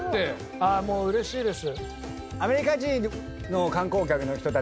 ああもううれしいです。